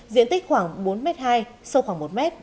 diện tích khoảng bốn m hai sâu khoảng một m